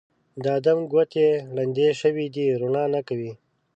د ادم ګوتې ړندې شوي دي روڼا نه کوي